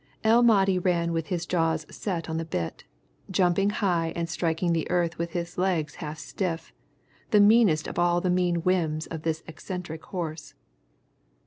El Mahdi ran with his jaws set on the bit, jumping high and striking the earth with his legs half stiff, the meanest of all the mean whims of this eccentric horse.